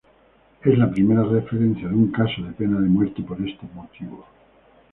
Es la primera referencia de un caso de pena de muerte por este motivo.